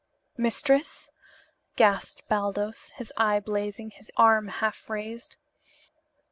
"Mistress?" gasped Baldos, his eye blazing, his arm half raised.